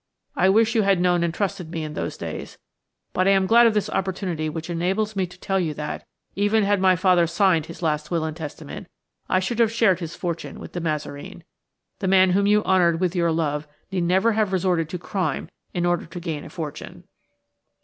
... I wish you had known and trusted me in those days–but I am glad of this opportunity which enables me to tell you that, even had my father signed his last will and testament, I should have shared his fortune with De Mazareen. The man whom you honoured with your love need never have resorted to crime in order to gain a fortune."